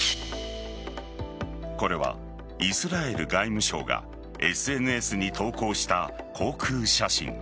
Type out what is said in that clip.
これはイスラエル外務省がＳＮＳに投稿した航空写真。